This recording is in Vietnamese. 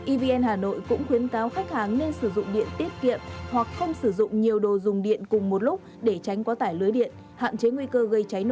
evn hà nội cũng khuyến cáo khách hàng nên sử dụng điện tiết kiệm hoặc không sử dụng nhiều đồ dùng điện cùng một lúc để tránh quá tải lưới điện hạn chế nguy cơ gây cháy nổ